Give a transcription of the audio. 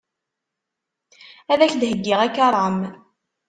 Ad ak-d-heyyiɣ akaram.